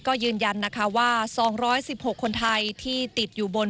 ก็ยืนยันนะคะว่า๒๑๖คนไทยที่ติดอยู่บน